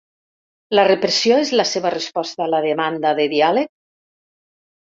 La repressió és la seva resposta a la demanda de diàleg?